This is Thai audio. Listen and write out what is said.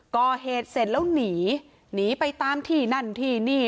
ก่อเหตุเสร็จแล้วหนีหนีไปตามที่นั่นที่นี่